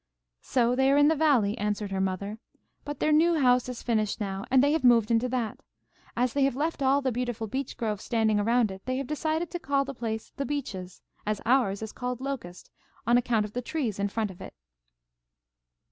"So they are in the Valley," answered her mother. "But their new house is finished now, and they have moved into that. As they have left all the beautiful beech grove standing around it, they have decided to call the place The Beeches, as ours is called Locust, on account of the trees in front of it."